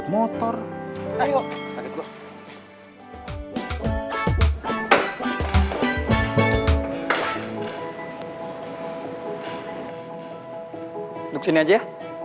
duduk sini aja ya